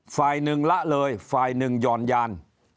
ฝ่ายหนึ่งละเลยฝ่ายหนึ่งหย่อนยาน